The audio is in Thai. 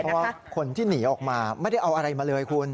เพราะว่าคนที่หนีออกมาไม่ได้เอาอะไรมาเลยคุณ